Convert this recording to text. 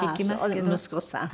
息子さん。